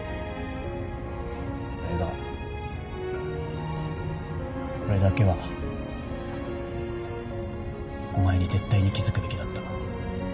俺が俺だけはお前に絶対に気付くべきだった。